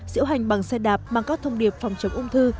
diễu hành bằng xe đạp mang các thông điệp phòng chống ung thư